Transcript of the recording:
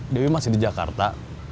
dewi masih di jakarta